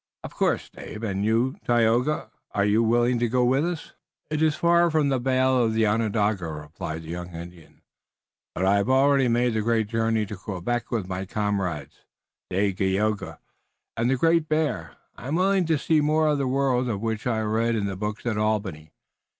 "Of course, Dave. And you, Tayoga, are you willing to go with us?" "It is far from the vale of Onondaga," replied the young Indian, "but I have already made the great journey to Quebec with my comrades, Dagaeoga and the Great Bear. I am willing to see more of the world of which I read in the books at Albany.